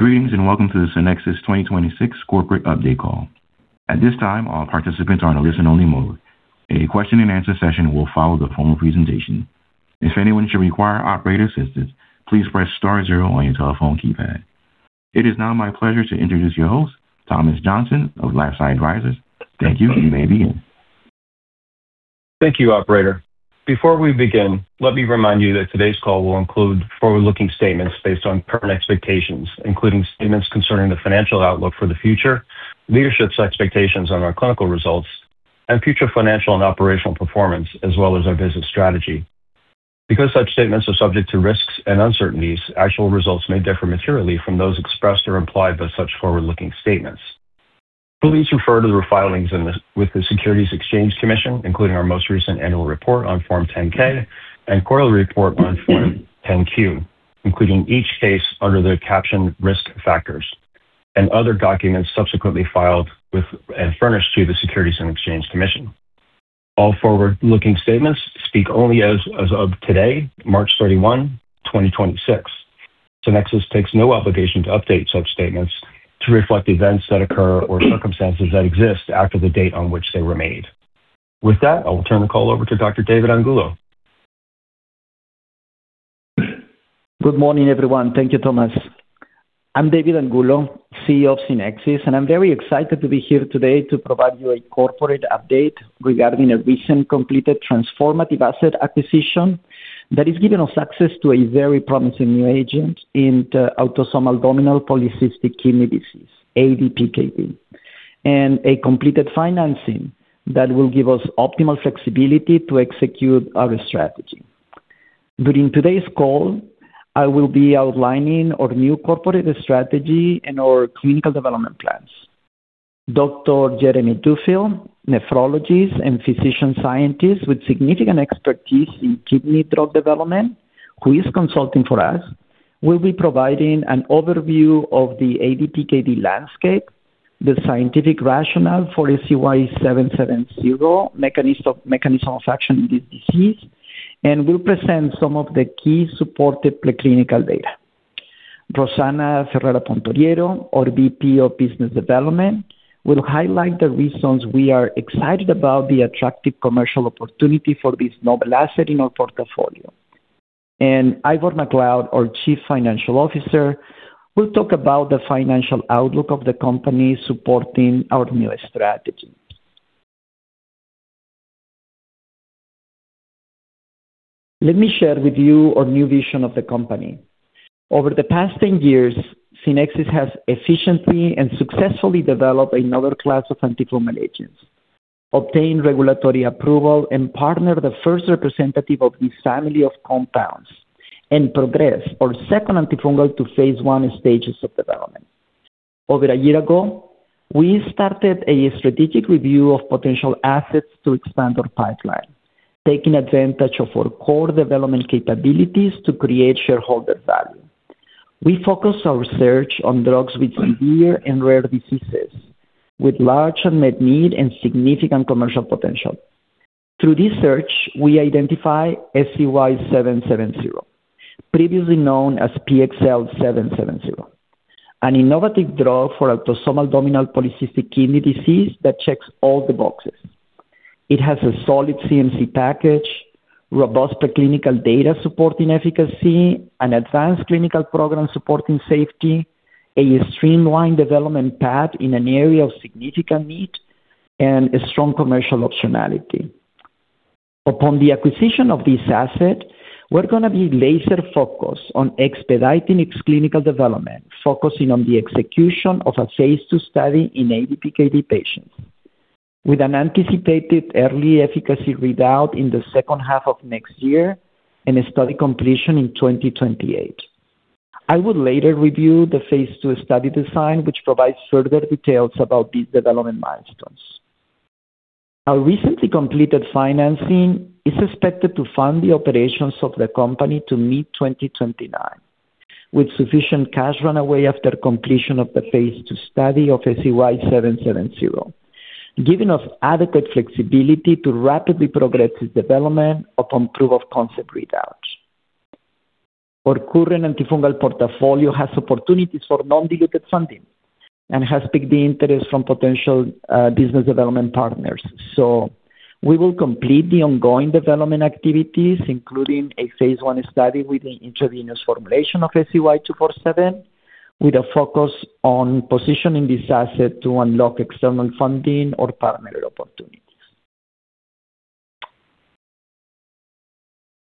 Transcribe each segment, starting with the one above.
Greetings, and welcome to the SCYNEXIS 2026 corporate update call. At this time, all participants are on a listen-only mode. A question-and-answer session will follow the formal presentation. If anyone should require operator assistance, please press star zero on your telephone keypad. It is now my pleasure to introduce your host, Thomas Johnson of LifeSci Advisors. Thank you. You may begin. Thank you, operator. Before we begin, let me remind you that today's call will include forward-looking statements based on current expectations, including statements concerning the financial outlook for the future, leadership's expectations on our clinical results, and future financial and operational performance, as well as our business strategy. Because such statements are subject to risks and uncertainties, actual results may differ materially from those expressed or implied by such forward-looking statements. Please refer to the filings with the Securities and Exchange Commission, including our most recent annual report on Form 10-K and quarterly report on Form 10-Q, in each case under the caption Risk Factors, and other documents subsequently filed with and furnished to the Securities and Exchange Commission. All forward-looking statements speak only as of today, March 31, 2026. SCYNEXIS takes no obligation to update such statements to reflect events that occur or circumstances that exist after the date on which they were made. With that, I will turn the call over to Dr. David Angulo. Good morning, everyone. Thank you, Thomas. I'm David Angulo, CEO of SCYNEXIS, and I'm very excited to be here today to provide you a corporate update regarding a recent completed transformative asset acquisition that has given us access to a very promising new agent in the autosomal dominant polycystic kidney disease, ADPKD, and a completed financing that will give us optimal flexibility to execute our strategy. During today's call, I will be outlining our new corporate strategy and our clinical development plans. Dr. Jeremy Duffield, nephrologist and physician scientist with significant expertise in kidney drug development, who is consulting for us, will be providing an overview of the ADPKD landscape, the scientific rationale for SCY-770, mechanism of action, disease, and will present some of the key supported preclinical data. Rosana Ferrara-Pontoriero, our VP of Business Development, will highlight the reasons we are excited about the attractive commercial opportunity for this novel asset in our portfolio. Ivor Macleod, our Chief Financial Officer, will talk about the financial outlook of the company supporting our new strategy. Let me share with you our new vision of the company. Over the past 10 years, SCYNEXIS has efficiently and successfully developed another class of antifungal agents, obtained regulatory approval, and partnered the first representative of this family of compounds, and progress our second antifungal to phase I stages of development. Over a year ago, we started a strategic review of potential assets to expand our pipeline, taking advantage of our core development capabilities to create shareholder value. We focus our research on drugs with severe and rare diseases with large unmet need and significant commercial potential. Through this search, we identify SCY-770, previously known as PXL-770, an innovative drug for autosomal dominant polycystic kidney disease that checks all the boxes. It has a solid CMC package, robust preclinical data supporting efficacy, an advanced clinical program supporting safety, a streamlined development path in an area of significant need, and a strong commercial optionality. Upon the acquisition of this asset, we're going to be laser-focused on expediting its clinical development, focusing on the execution of a phase II study in ADPKD patients with an anticipated early efficacy readout in the second half of next year and a study completion in 2028. I will later review the phase II study design, which provides further details about these development milestones. Our recently completed financing is expected to fund the operations of the company to mid-2029, with sufficient cash runway after completion of the phase II study of SCY-770, giving us adequate flexibility to rapidly progress its development upon proof of concept readout. Our current antifungal portfolio has opportunities for non-diluted funding and has piqued the interest from potential business development partners. We will complete the ongoing development activities, including a phase I study with an intravenous formulation of SCY-247, with a focus on positioning this asset to unlock external funding or partnering opportunities.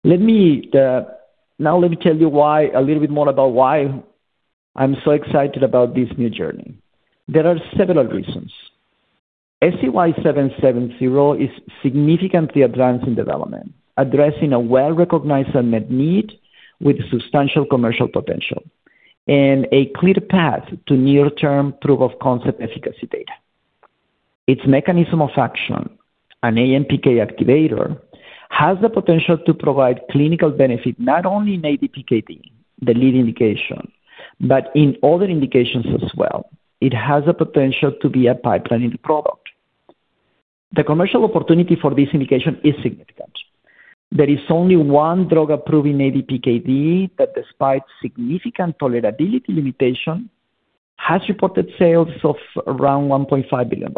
Let me tell you a little bit more about why I'm so excited about this new journey. There are several reasons. SCY-770 is significantly advanced in development, addressing a well-recognized unmet need with substantial commercial potential and a clear path to near-term proof-of-concept efficacy data. Its mechanism of action, an AMPK activator, has the potential to provide clinical benefit not only in ADPKD, the lead indication, but in other indications as well. It has the potential to be a pipeline product. The commercial opportunity for this indication is significant. There is only one drug approved for ADPKD that despite significant tolerability limitation, has reported sales of around $1.5 billion.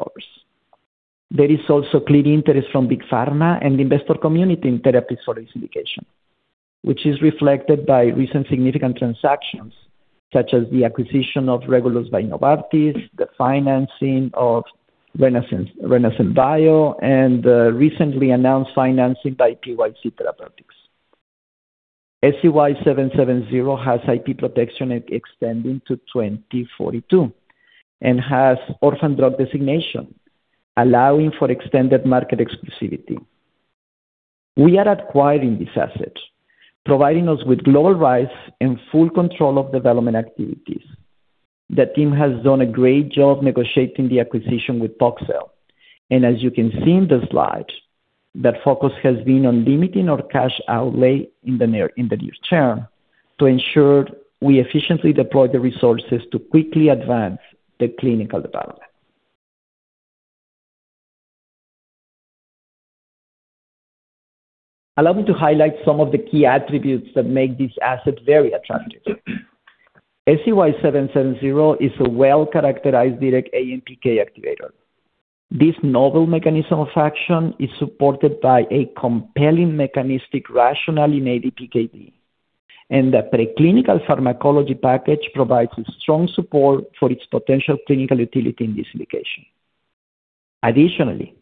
There is also clear interest from Big Pharma and the investor community in therapies for this indication, which is reflected by recent significant transactions, such as the acquisition of Regulus by Novartis, the financing of Renaissance Bio, and recently announced financing by PYC Therapeutics. SCY-770 has IP protection extending to 2042 and has Orphan Drug Designation, allowing for extended market exclusivity. We are acquiring this asset, providing us with global rights and full control of development activities. The team has done a great job negotiating the acquisition with Poxel and as you can see in the slide, that focus has been on limiting our cash outlay in the near term to ensure we efficiently deploy the resources to quickly advance the clinical development. Allow me to highlight some of the key attributes that make this asset very attractive. SCY-770 is a well-characterized direct AMPK activator. This novel mechanism of action is supported by a compelling mechanistic rationale in ADPKD, and the preclinical pharmacology package provides strong support for its potential clinical utility in this indication. Additionally,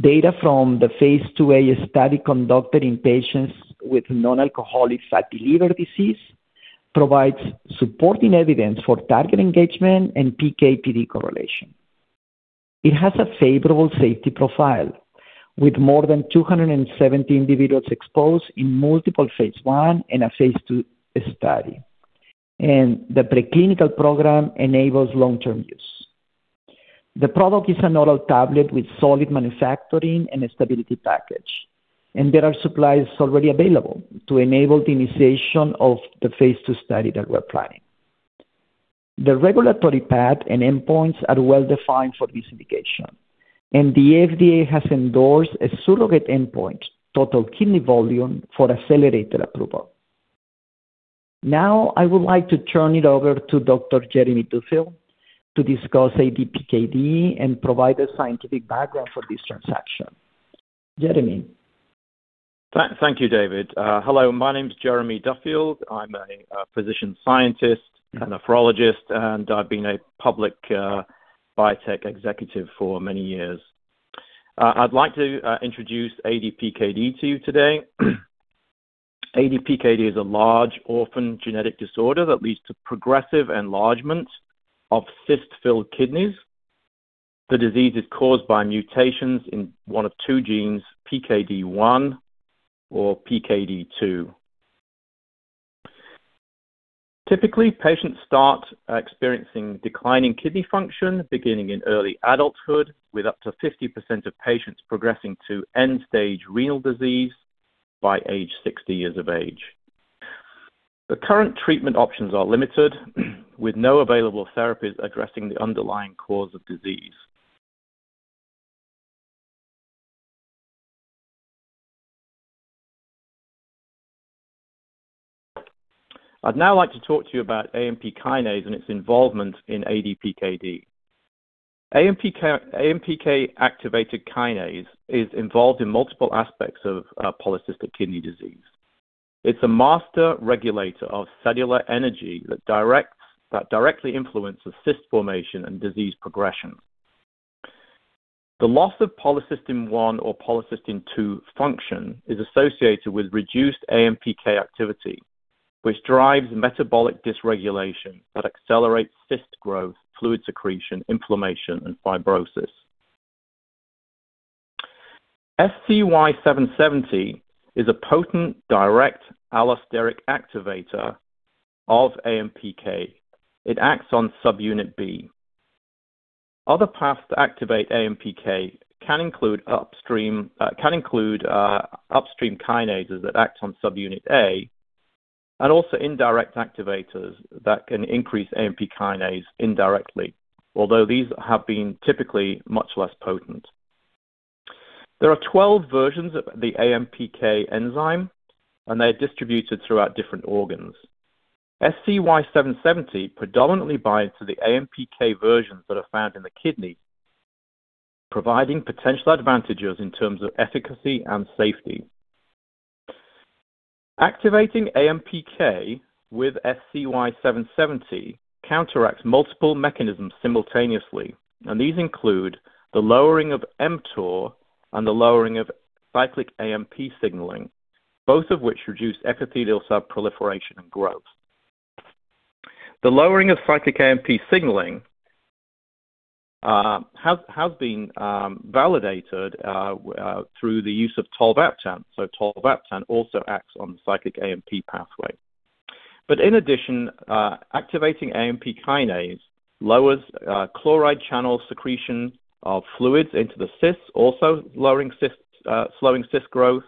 data from the phase II-A study conducted in patients with non-alcoholic fatty liver disease provides supporting evidence for target engagement and PK/PD correlation. It has a favorable safety profile with more than 270 individuals exposed in multiple phase I and a phase II study and the preclinical program enables long-term use. The product is an oral tablet with solid manufacturing and a stability package, and there are supplies already available to enable the initiation of the phase II study that we're planning. The regulatory path and endpoints are well-defined for this indication, and the FDA has endorsed a surrogate endpoint, total kidney volume, for accelerated approval. Now, I would like to turn it over to Dr. Jeremy Duffield to discuss ADPKD and provide a scientific background for this transaction. Jeremy. Thank you, David. Hello, my name's Jeremy Duffield. I'm a physician scientist, a nephrologist, and I've been a public biotech executive for many years. I'd like to introduce ADPKD to you today. ADPKD is a large orphan genetic disorder that leads to progressive enlargement of cyst-filled kidneys. The disease is caused by mutations in one of two genes, PKD1 or PKD2. Typically, patients start experiencing declining kidney function beginning in early adulthood, with up to 50% of patients progressing to end-stage renal disease by age 60 years of age. The current treatment options are limited with no available therapies addressing the underlying cause of disease. I'd now like to talk to you about AMPK and its involvement in ADPKD. AMPK-activated kinase is involved in multiple aspects of polycystic kidney disease. It's a master regulator of cellular energy that directly influences cyst formation and disease progression. The loss of polycystin-1 or polycystin-2 function is associated with reduced AMPK activity, which drives metabolic dysregulation that accelerates cyst growth, fluid secretion, inflammation, and fibrosis. SCY-770 is a potent direct allosteric activator of AMPK. It acts on subunit B. Other paths to activate AMPK can include upstream kinases that act on subunit A and also indirect activators that can increase AMPK indirectly, although these have been typically much less potent. There are 12 versions of the AMPK enzyme, and they're distributed throughout different organs. SCY-770 predominantly binds to the AMPK versions that are found in the kidney, providing potential advantages in terms of efficacy and safety. Activating AMPK with SCY-770 counteracts multiple mechanisms simultaneously, and these include the lowering of mTOR and the lowering of cyclic AMP signaling, both of which reduce epithelial cell proliferation and growth. The lowering of cyclic AMP signaling has been validated through the use of tolvaptan. Tolvaptan also acts on the cyclic AMP pathway. In addition, activating AMP kinase lowers chloride channel secretion of fluids into the cysts, also lowering cysts, slowing cyst growth,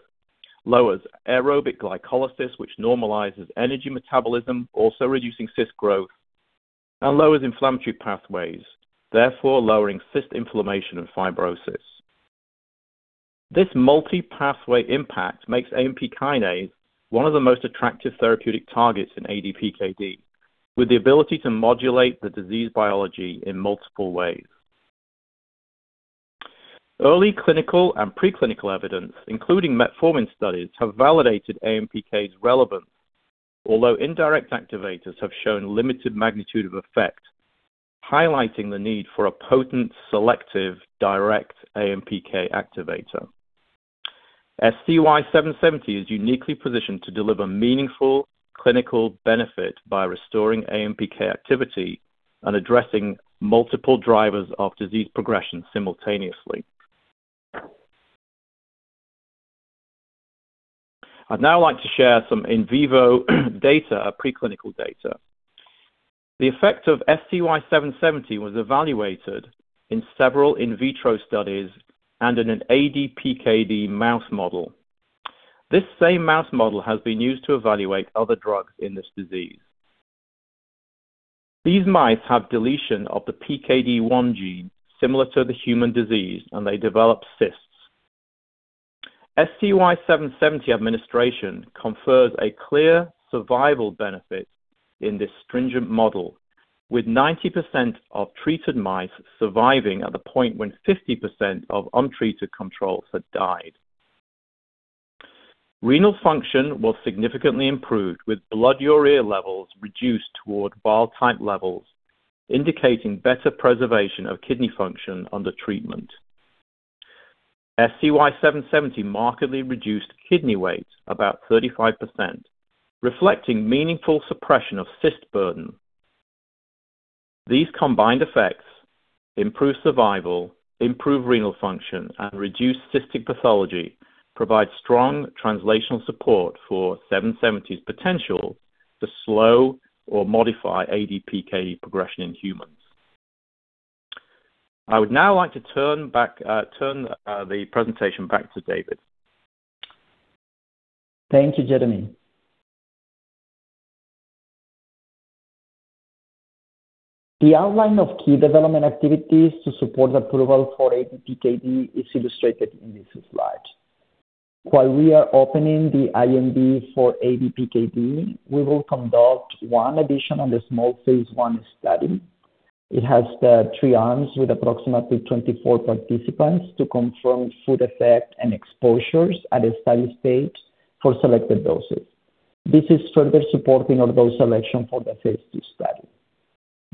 lowers aerobic glycolysis, which normalizes energy metabolism, also reducing cyst growth. Lowers inflammatory pathways, therefore lowering cyst inflammation and fibrosis. This multi-pathway impact makes AMP kinase one of the most attractive therapeutic targets in ADPKD, with the ability to modulate the disease biology in multiple ways. Early clinical and preclinical evidence, including metformin studies, have validated AMPK's relevance. Although indirect activators have shown limited magnitude of effect, highlighting the need for a potent, selective, direct AMPK activator. SCY-770 is uniquely positioned to deliver meaningful clinical benefit by restoring AMPK activity and addressing multiple drivers of disease progression simultaneously. I'd now like to share some in vivo data, preclinical data. The effect of SCY-770 was evaluated in several in vitro studies and in an ADPKD mouse model. This same mouse model has been used to evaluate other drugs in this disease. These mice have deletion of the PKD1 gene, similar to the human disease, and they develop cysts. SCY-770 administration confers a clear survival benefit in this stringent model, with 90% of treated mice surviving at the point when 50% of untreated controls had died. Renal function was significantly improved, with blood urea levels reduced toward wild-type levels, indicating better preservation of kidney function under treatment. SCY-770 markedly reduced kidney weight about 35%, reflecting meaningful suppression of cyst burden. These combined effects improve survival, improve renal function, and reduce cystic pathology, provide strong translational support for SCY-770's potential to slow or modify ADPKD progression in humans. I would now like to turn the presentation back to David. Thank you, Jeremy. The outline of key development activities to support approval for ADPKD is illustrated in this slide. While we are opening the IND for ADPKD, we will conduct one additional and a small phase I study. It has the three arms with approximately 24 participants to confirm food effect and exposures at a steady state for selected doses. This is further supporting our dose selection for the phase II study.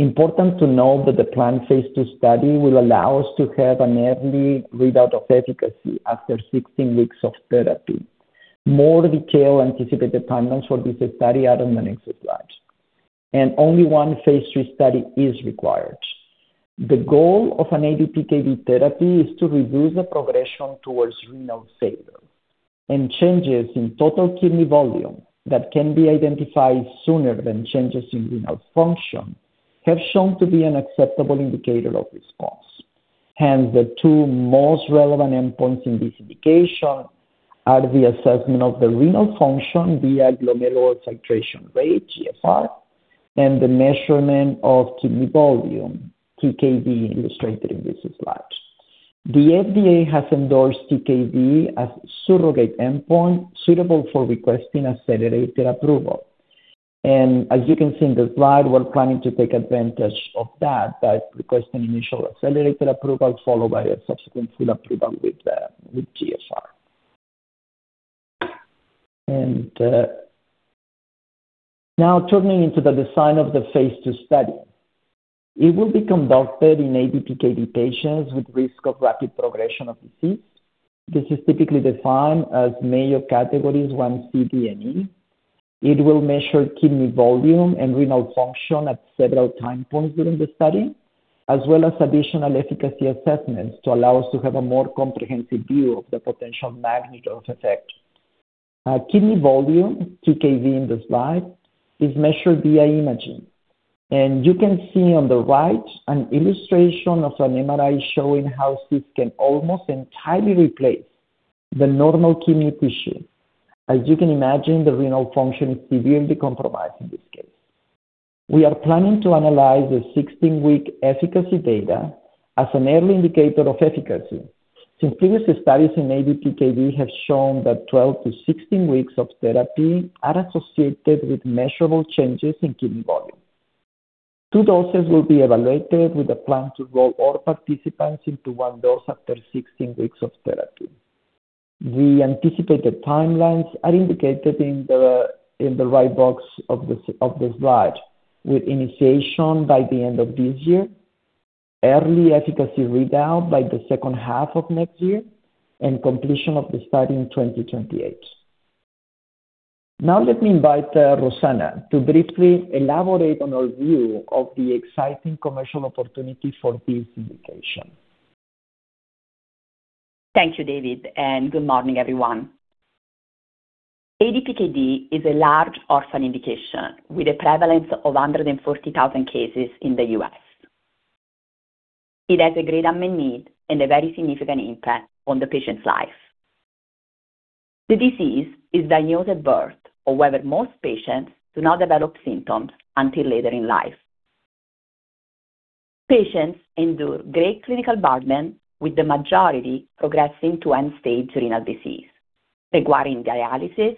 Important to note that the planned phase II study will allow us to have an early readout of efficacy after 16 weeks of therapy. More detailed anticipated timelines for this study are on the next slide, and only one phase III study is required. The goal of an ADPKD therapy is to reduce the progression towards renal failure, and changes in total kidney volume that can be identified sooner than changes in renal function have shown to be an acceptable indicator of response. Hence, the two most relevant endpoints in this indication are the assessment of the renal function via glomerular filtration rate, GFR, and the measurement of kidney volume, TKV, illustrated in this slide. The FDA has endorsed TKV as surrogate endpoint suitable for requesting accelerated approval. As you can see in the slide, we're planning to take advantage of that by requesting initial accelerated approval followed by a subsequent full approval with GFR. Now turning to the design of the phase II study. It will be conducted in ADPKD patients with risk of rapid progression of disease. This is typically defined as Mayo categories 1, C, D, and E. It will measure kidney volume and renal function at several time points during the study, as well as additional efficacy assessments to allow us to have a more comprehensive view of the potential magnitude of effect. Kidney volume, TKV in the slide, is measured via imaging, and you can see on the right an illustration of an MRI showing how cysts can almost entirely replace the normal kidney tissue. As you can imagine, the renal function is severely compromised in this case. We are planning to analyze the 16-week efficacy data as an early indicator of efficacy since previous studies in ADPKD have shown that 12-16 weeks of therapy are associated with measurable changes in kidney volume. Two doses will be evaluated with a plan to roll all participants into one dose after 16 weeks of therapy. The anticipated timelines are indicated in the right box of the slide with initiation by the end of this year, early efficacy readout by the second half of next year, and completion of the study in 2028. Now let me invite Rosana to briefly elaborate on our view of the exciting commercial opportunity for this indication. Thank you, David, and good morning, everyone. ADPKD is a large orphan indication with a prevalence of 140,000 cases in the U.S. It has a great unmet need and a very significant impact on the patient's life. The disease is diagnosed at birth. However, most patients do not develop symptoms until later in life. Patients endure great clinical burden, with the majority progressing to end-stage renal disease, requiring dialysis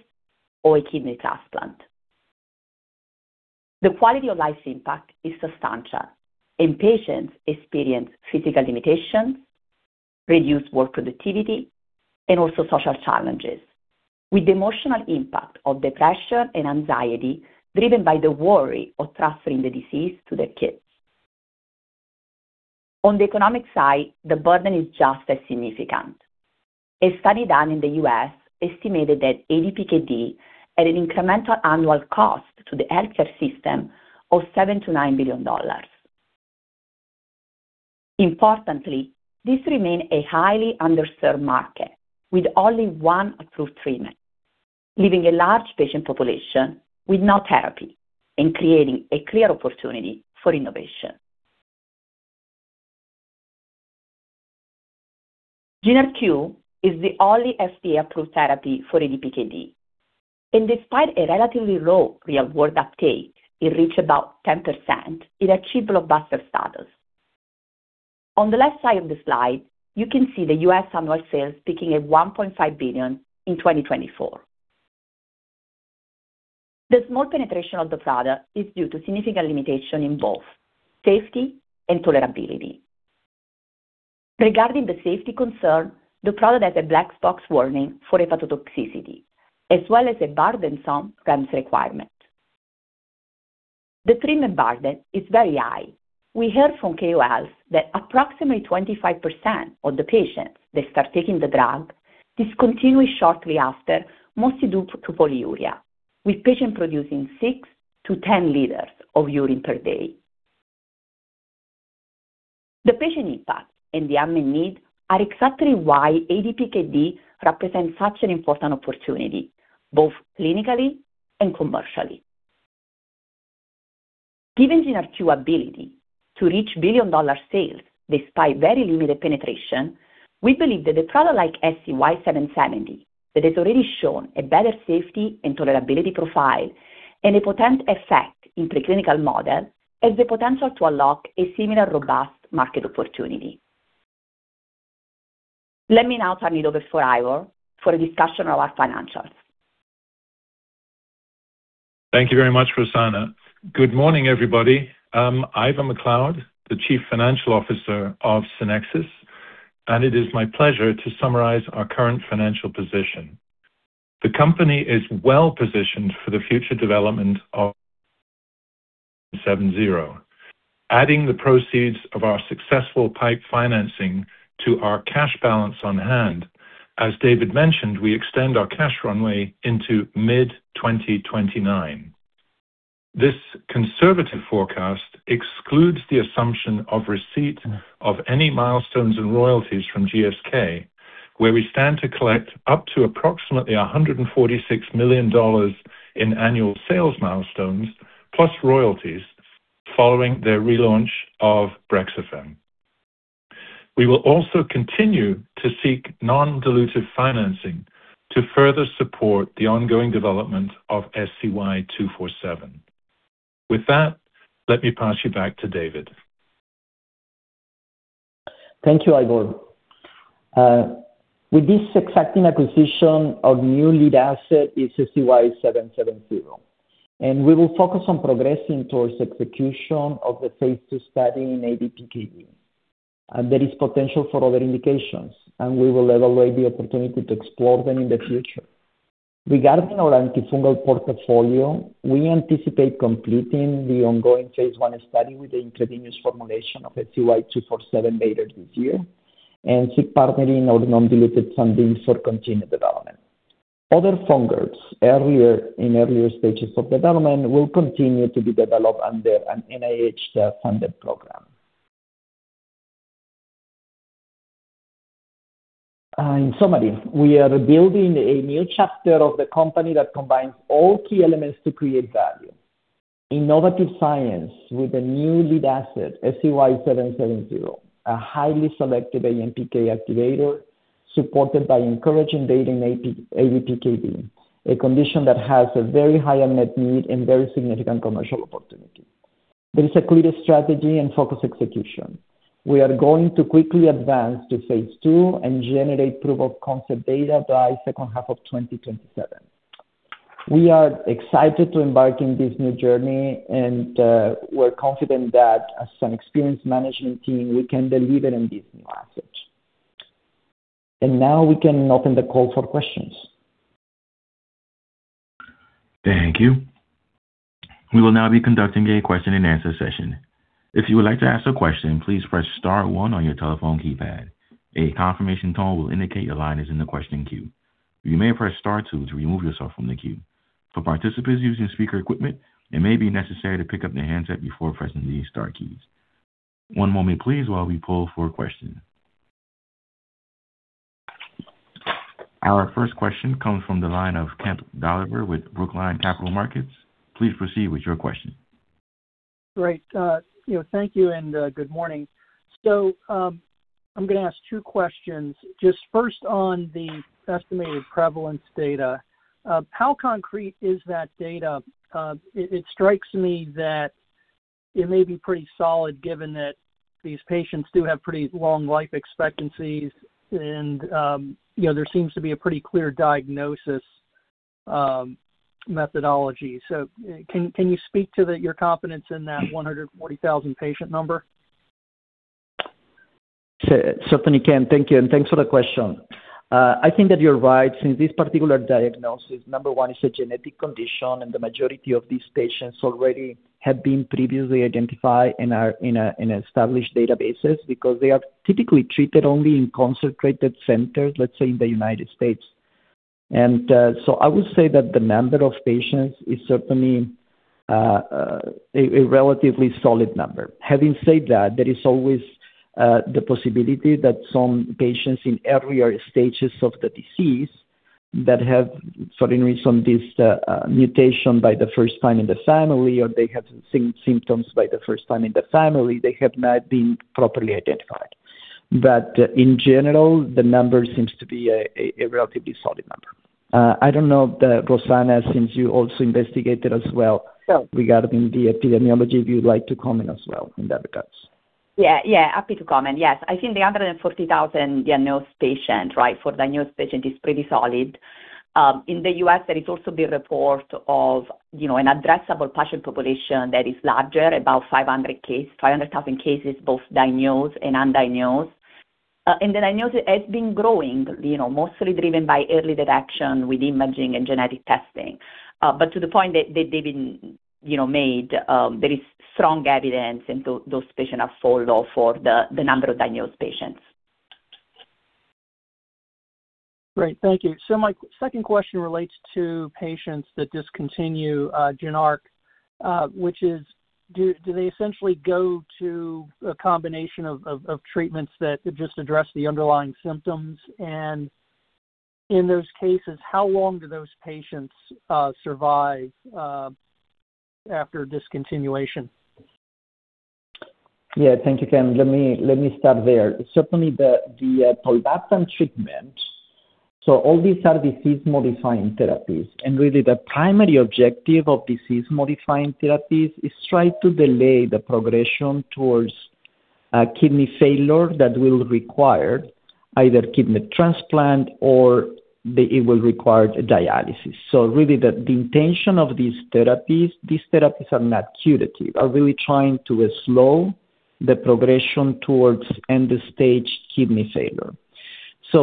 or a kidney transplant. The quality of life impact is substantial, and patients experience physical limitations, reduced work productivity, and also social challenges with the emotional impact of depression and anxiety driven by the worry of transferring the disease to their kids. On the economic side, the burden is just as significant. A study done in the U.S. estimated that ADPKD had an incremental annual cost to the healthcare system of $7 billion-$9 billion. Importantly, this remains a highly underserved market with only one approved treatment, leaving a large patient population with no therapy and creating a clear opportunity for innovation. Jynarque is the only FDA-approved therapy for ADPKD, and despite a relatively low real-world uptake, it reached about 10% and achieved blockbuster status. On the left side of the slide, you can see the U.S. annual sales peaking at $1.5 billion in 2024. The small penetration of the product is due to significant limitation in both safety and tolerability. Regarding the safety concern, the product has a black box warning for hepatotoxicity as well as a burdensome requirements. The treatment burden is very high. We heard from KOS that approximately 25% of the patients that start taking the drug discontinue shortly after, mostly due to polyuria, with patients producing 6-10 liters of urine per day. The patient impact and the unmet need are exactly why ADPKD represents such an important opportunity, both clinically and commercially. Given Jynarque ability to reach billion-dollar sales despite very limited penetration, we believe that a product like SCY-770 that has already shown a better safety and tolerability profile and a potent effect in preclinical models, has the potential to unlock a similar robust market opportunity. Let me now turn it over to Ivor for a discussion of our financials. Thank you very much, Rossana. Good morning, everybody. I'm Ivor MacLeod, the Chief Financial Officer of SCYNEXIS, and it is my pleasure to summarize our current financial position. The company is well-positioned for the future development of SCY-770, adding the proceeds of our successful PIPE financing to our cash balance on hand. As David mentioned, we extend our cash runway into mid-2029. This conservative forecast excludes the assumption of receipt of any milestones and royalties from GSK, where we stand to collect up to approximately $146 million in annual sales milestones plus royalties following their relaunch of Brexafemme. We will also continue to seek non-dilutive financing to further support the ongoing development of SCY-247. With that, let me pass you back to David. Thank you, Ivor. With this exciting acquisition of new lead asset SCY-770, we will focus on progressing towards execution of the phase II study in ADPKD. There is potential for other indications, and we will evaluate the opportunity to explore them in the future. Regarding our antifungal portfolio, we anticipate completing the ongoing phase I study with the intravenous formulation of SCY-247 later this year and seek partnering or non-diluted funding for continued development. Other fungals in earlier stages of development will continue to be developed under an NIH-funded program. In summary, we are building a new chapter of the company that combines all key elements to create value. Innovative science with a new lead asset, SCY-770, a highly selective AMPK activator supported by encouraging data in ADPKD, a condition that has a very high unmet need and very significant commercial opportunity. There is a clear strategy and focused execution. We are going to quickly advance to phase II and generate proof-of-concept data by second half of 2027. We are excited to embark in this new journey, and we're confident that as an experienced management team, we can deliver on these new assets. Now we can open the call for questions. Thank you. We will now be conducting a question and answer session. If you would like to ask a question, please press star one on your telephone keypad. A confirmation tone will indicate your line is in the questioning queue. You may press star two to remove yourself from the queue. For participants using speaker equipment, it may be necessary to pick up the handset before pressing the star keys. One moment, please, while we pull for a question. Our first question comes from the line of Ken Doliber with Brookline Capital Markets. Please proceed with your question. Great. You know, thank you and good morning. I'm gonna ask two questions. Just first on the estimated prevalence data, how concrete is that data? It strikes me that it may be pretty solid given that these patients do have pretty long life expectancies and you know, there seems to be a pretty clear diagnosis methodology. Can you speak to your confidence in that 140,000 patient number? Sure. Certainly, Ken. Thank you, and thanks for the question. I think that you're right, since this particular diagnosis, number one, it's a genetic condition, and the majority of these patients already have been previously identified and are in established databases because they are typically treated only in concentrated centers, let's say, in the United States. I would say that the number of patients is certainly a relatively solid number. Having said that, there is always the possibility that some patients in earlier stages of the disease that have, for any reason, this mutation by the first time in the family or they have symptoms by the first time in the family, they have not been properly identified. In general, the number seems to be a relatively solid number. I don't know if Rosana, since you also investigated as well- Sure. Regarding the epidemiology, if you'd like to comment as well in that regard. Yeah. Yeah. Happy to comment. Yes. I think the 140,000 diagnosed patient, right, for diagnosed patient is pretty solid. In the U.S., there is also the report of, you know, an addressable patient population that is larger, about 500,000 cases, both diagnosed and undiagnosed. The diagnosed has been growing, you know, mostly driven by early detection with imaging and genetic testing. To the point that David, you know, made, there is strong evidence, and those patients are followed for the number of diagnosed patients. Great. Thank you. My second question relates to patients that discontinue Jynarque. Do they essentially go to a combination of treatments that just address the underlying symptoms? In those cases, how long do those patients survive after discontinuation? Yeah. Thank you, Ken. Let me start there. Certainly tolvaptan treatment, all these are disease-modifying therapies. Really the primary objective of disease-modifying therapies is try to delay the progression towards kidney failure that will require either kidney transplant or dialysis. Really the intention of these therapies, these therapies are not curative, are really trying to slow the progression towards end-stage kidney failure.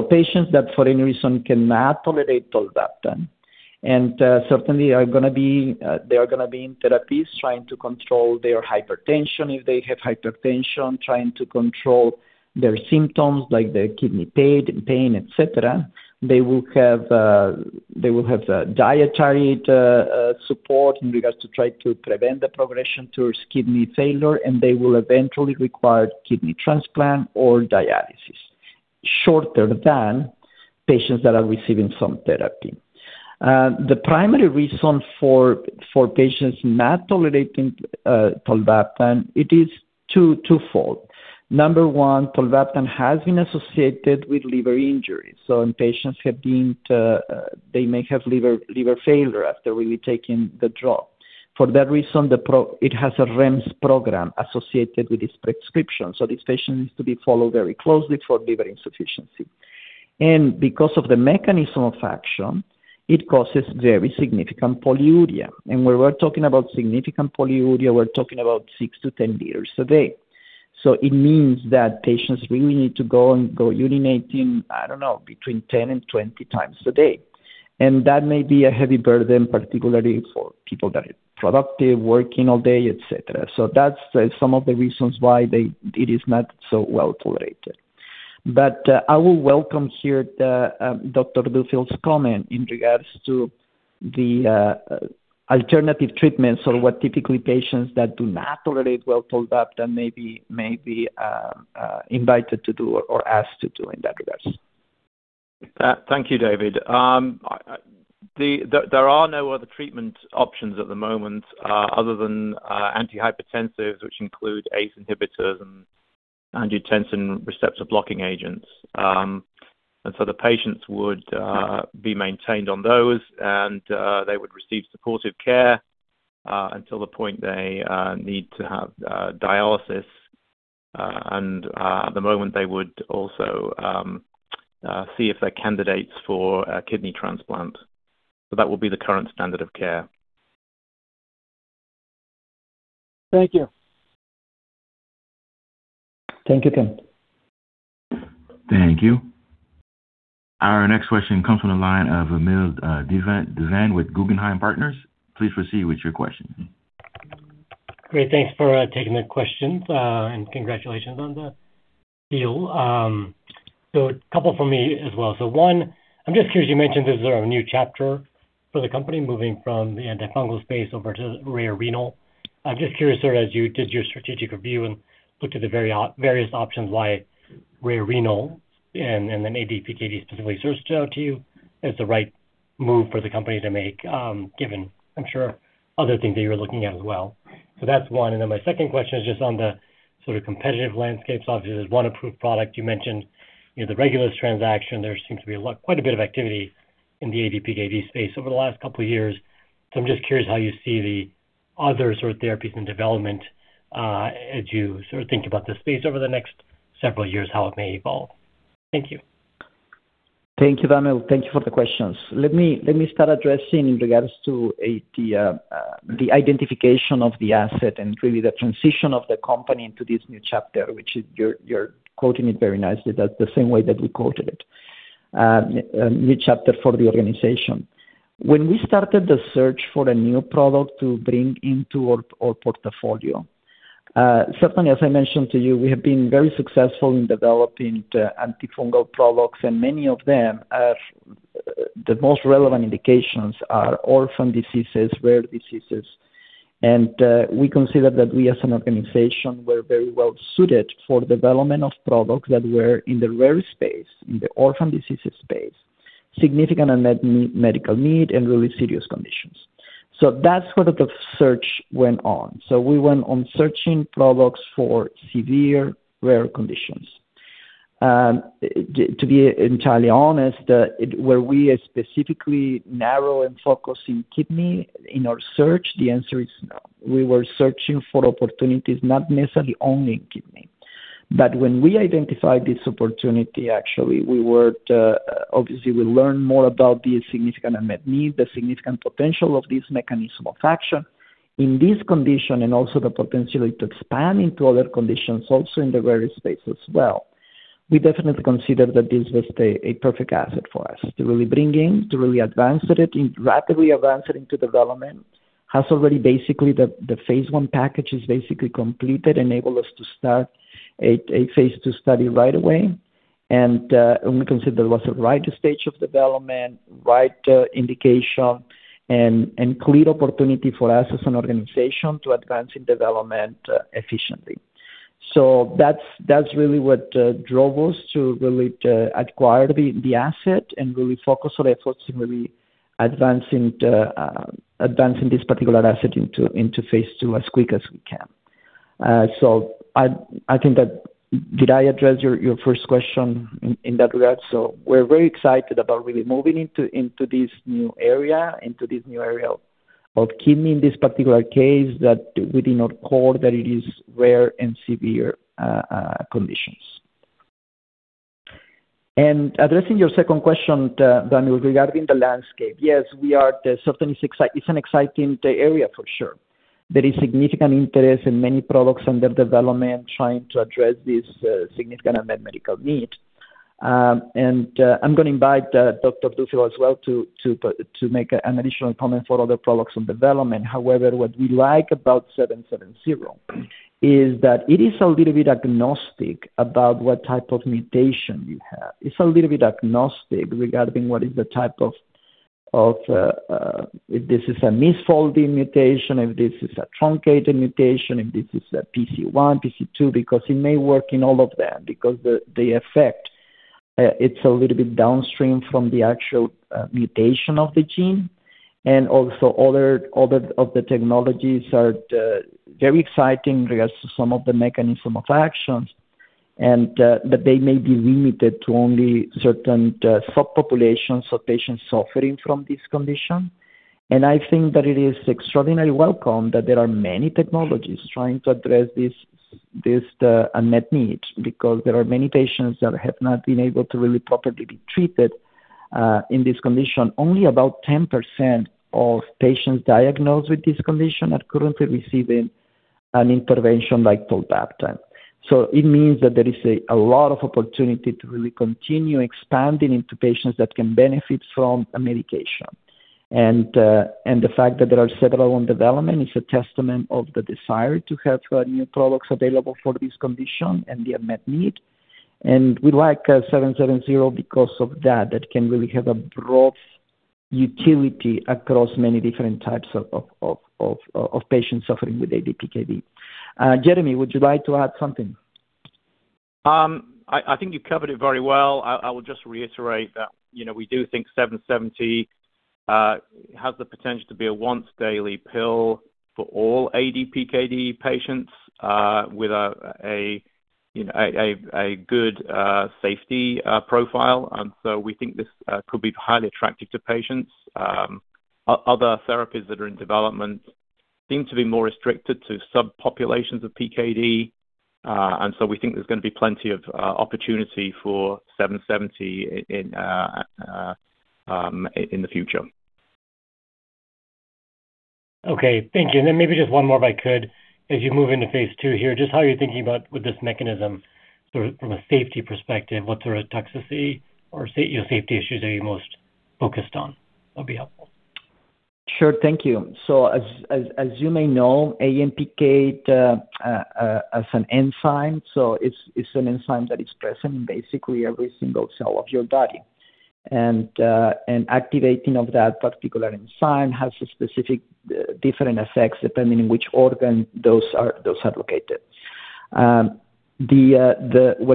Patients that for any reason cannot tolerate tolvaptan certainly are gonna be in therapies trying to control their hypertension if they have hypertension, trying to control their symptoms like their kidney pain, etc. They will have dietary support in regards to try to prevent the progression towards kidney failure, and they will eventually require kidney transplant or dialysis sooner than patients that are receiving some therapy. The primary reason for patients not tolerating tolvaptan is two-fold. Number one, tolvaptan has been associated with liver injuries. So in patients, they may have liver failure after taking the drug. For that reason, it has a REMS program associated with this prescription, so this patient needs to be followed very closely for liver insufficiency. Because of the mechanism of action, it causes very significant polyuria. When we're talking about significant polyuria, we're talking about 6-10 liters a day. It means that patients really need to go and go urinating, I don't know, between 10 and 20 times a day. That may be a heavy burden, particularly for people that are productive, working all day, etc. That's some of the reasons why it is not so well-tolerated. I will welcome here the Dr. Duffield's comment in regards to the alternative treatments or what typically patients that do not tolerate well tolvaptan may be invited to do or asked to do in that regards. Thank you, David. There are no other treatment options at the moment, other than antihypertensives, which include ACE inhibitors and angiotensin receptor blocking agents. The patients would be maintained on those, and they would receive supportive care until the point they need to have dialysis. At the moment, they would also see if they're candidates for a kidney transplant. That would be the current standard of care. Thank you. Thank you, Ken. Thank you. Our next question comes from the line of Vamil Divan with Guggenheim Partners. Please proceed with your question. Great. Thanks for taking the questions, and congratulations on the deal. A couple for me as well. One, I'm just curious, you mentioned this is a new chapter for the company moving from the antifungal space over to rare renal, I'm just curious, sir, as you did your strategic review and looked at the various options why rare renal and then ADPKD specifically stood out to you as the right move for the company to make, given, I'm sure, other things that you're looking at as well. That's one. And then my second question is just on the sort of competitive landscape. Obviously, there's one approved product you mentioned. You know, the Regulus transaction, there seems to be quite a bit of activity in the ADPKD space over the last couple of years. I'm just curious how you see the other sort of therapies in development, as you sort of think about this space over the next several years, how it may evolve. Thank you. Thank you, Vamil. Thank you for the questions. Let me start addressing in regards to the identification of the asset and really the transition of the company into this new chapter, which is, you're quoting it very nicely. That's the same way that we quoted it. New chapter for the organization. When we started the search for a new product to bring into our portfolio, certainly as I mentioned to you, we have been very successful in developing the antifungal products, and many of them are the most relevant indications are orphan diseases, rare diseases. We consider that we as an organization were very well suited for development of products that were in the rare space, in the orphan diseases space, significant unmet medical need and really serious conditions. That's where the search went on. Were we specifically narrow and focused in kidney in our search? The answer is no. We were searching for opportunities not necessarily only in kidney. When we identified this opportunity, actually, we learned more about the significant unmet need, the significant potential of this mechanism of action in this condition and also the potential to expand into other conditions also in the rare space as well. We definitely considered that this was a perfect asset for us to really bring in, to really advance it, rapidly advance it into development. The phase I package is basically completed, enabled us to start a phase II study right away. We consider it was the right stage of development, right, indication and clear opportunity for us as an organization to advance in development efficiently. That's really what drove us to acquire the asset and focus our efforts in advancing this particular asset into phase II as quick as we can. I think that. Did I address your first question in that regard? We're very excited about moving into this new area of kidney in this particular case that within our core that it is rare and severe conditions. Addressing your second question, Vamil, regarding the landscape. Yes, we are. It's an exciting area for sure. There is significant interest in many products under development trying to address this significant unmet medical need. I'm gonna invite Dr. Duffield as well to make an additional comment for other products under development. However, what we like about 770 is that it is a little bit agnostic about what type of mutation you have. It's a little bit agnostic regarding what is the type of. If this is a misfolding mutation, if this is a truncated mutation, if this is a PKD1, PKD2, because it may work in all of them because the effect, it's a little bit downstream from the actual mutation of the gene. Also other of the technologies are very exciting regards to some of the mechanism of actions and that they may be limited to only certain subpopulations of patients suffering from this condition. I think that it is extraordinarily welcome that there are many technologies trying to address this unmet need because there are many patients that have not been able to really properly be treated in this condition. Only about 10% of patients diagnosed with this condition are currently receiving an intervention like tolvaptan. It means that there is a lot of opportunity to really continue expanding into patients that can benefit from a medication. The fact that there are several in development is a testament to the desire to have new products available for this condition and the unmet need. We like SCY-770 because of that can really have a broad utility across many different types of patients suffering with ADPKD. Jeremy, would you like to add something? I think you covered it very well. I will just reiterate that, you know, we do think seven seventy has the potential to be a once-daily pill for all ADPKD patients with a good safety profile. We think this could be highly attractive to patients. Other therapies that are in development seem to be more restricted to subpopulations of PKD, and so we think there's gonna be plenty of opportunity for seven seventy in the future. Okay. Thank you. Maybe just one more, if I could. As you move into phase II here, just how you're thinking about with this mechanism sort of from a safety perspective, what sort of toxicity or, you know, safety issues are you most focused on? That'll be helpful. Sure. Thank you. As you may know, AMPK as an enzyme, so it's an enzyme that is present in basically every single cell of your body. Activating of that particular enzyme has a specific different effects depending on which organ those are located. What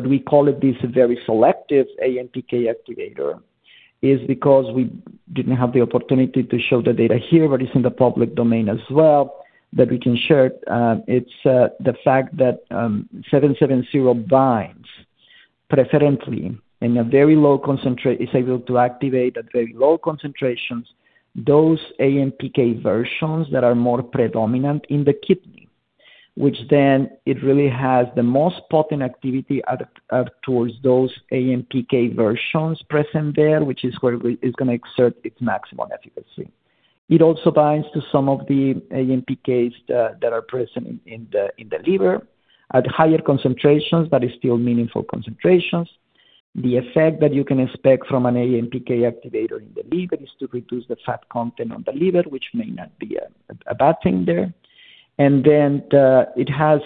we call it this very selective AMPK activator is because we didn't have the opportunity to show the data here, but it's in the public domain as well that we can share. It's the fact that SCY-770 is able to activate at very low concentrations those AMPK versions that are more predominant in the kidney, which then it really has the most potent activity at towards those AMPK versions present there, which is where it's gonna exert its maximum efficacy. It also binds to some of the AMPKs that are present in the liver at higher concentrations, but it's still meaningful concentrations. The effect that you can expect from an AMPK activator in the liver is to reduce the fat content of the liver, which may not be a bad thing there. It has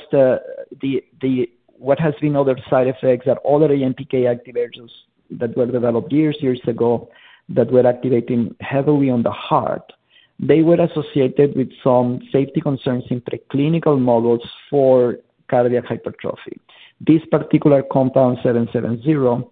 what has been other side effects are all the AMPK activators that were developed years ago that were activating heavily on the heart. They were associated with some safety concerns in preclinical models for cardiac hypertrophy. This particular compound, SCY-770,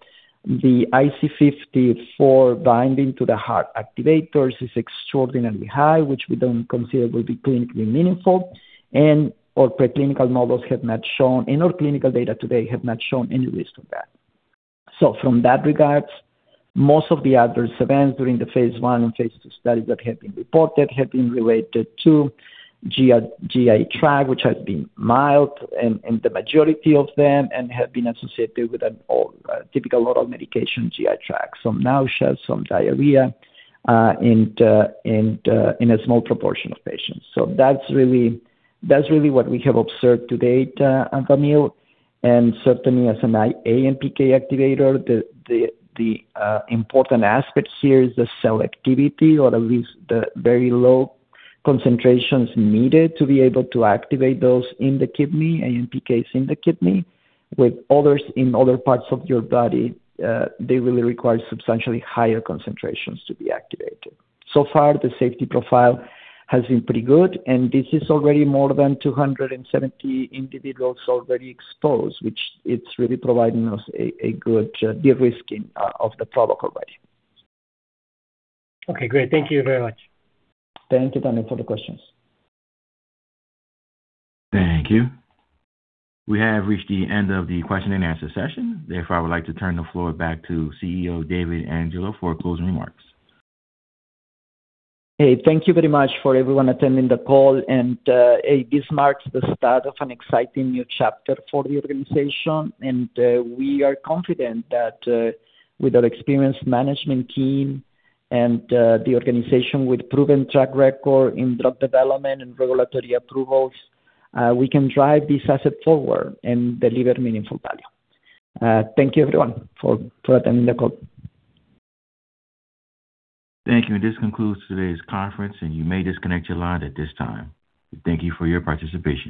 the IC50 binding to the heart activators is extraordinarily high, which we don't consider will be clinically meaningful, and our preclinical models have not shown, and our clinical data today have not shown any risk of that. From that regard, most of the adverse events during the phase I and phase II studies that have been reported have been related to GI tract, which has been mild in the majority of them and have been associated with a typical oral medication GI tract. Some nausea, some diarrhea, and in a small proportion of patients. That's really what we have observed to date, Vamil. Certainly as an AMPK activator, the important aspect here is the cell activity or at least the very low concentrations needed to be able to activate those in the kidney, AMPKs in the kidney, with others in other parts of your body, they really require substantially higher concentrations to be activated. So far, the safety profile has been pretty good, and this is already more than 270 individuals already exposed, which it's really providing us a good de-risking of the protocol value. Okay, great. Thank you very much. Thank you, Vamil, for the questions. Thank you. We have reached the end of the question and answer session. Therefore, I would like to turn the floor back to CEO David Angulo for closing remarks. Hey, thank you very much for everyone attending the call, and this marks the start of an exciting new chapter for the organization. We are confident that with our experienced management team and the organization with proven track record in drug development and regulatory approvals, we can drive this asset forward and deliver meaningful value. Thank you everyone for attending the call. Thank you. This concludes today's conference, and you may disconnect your line at this time. Thank you for your participation.